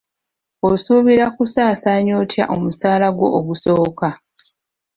Osuubira kusaasaanya otya omusaala gwo ogusooka?